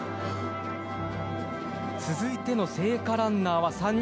続いての聖火ランナーは３人。